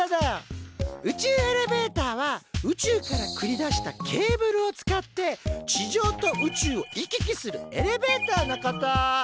宇宙エレベーターは宇宙からくり出したケーブルを使って地上と宇宙を行き来するエレベーターのこと！